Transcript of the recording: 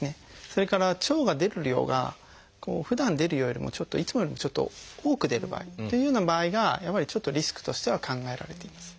それから腸が出る量がふだん出るよりもいつもよりもちょっと多く出る場合というような場合がやっぱりちょっとリスクとしては考えられています。